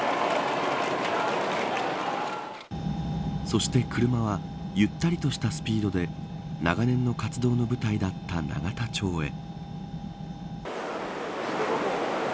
そして車はゆったりとしたスピードで長年の活動の舞台だった永田町へ。